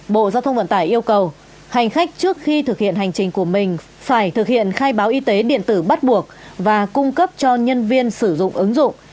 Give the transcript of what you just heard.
bộ giao thông vận tải yêu cầu hành khách trước khi thực hiện hành trình của mình phải thực hiện khai báo y tế điện tử bắt buộc và cung cấp cho nhân viên sử dụng ứng dụng